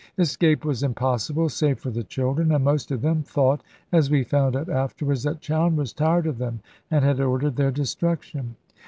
Escape was impossible, save for the children, and most of them thought (as we found out afterwards) that Chowne was tired of them and had ordered their destruction.